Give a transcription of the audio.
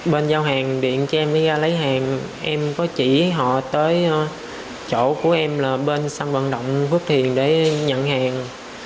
bên giao hàng điện cho em đi ra lấy hàng em có chỉ họ tới chỗ của em là bên sân vận động phước thiền để nhận hàng